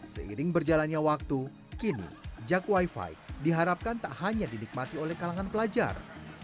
seiring berjalannya waktu kini jak wifi diharapkan tak hanya dinikmati oleh kalangan pelajar